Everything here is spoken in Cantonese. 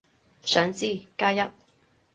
想知，加一